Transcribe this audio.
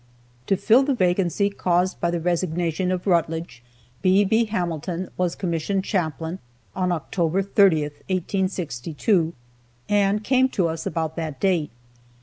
To fill the vacancy caused by the resignation of Rutledge, B. B. Hamilton was commissioned chaplain on October 30, 1862, and came to us about that date.